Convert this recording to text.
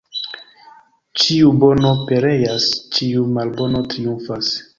Ĉiu bono pereas, ĉiu malbono triumfas.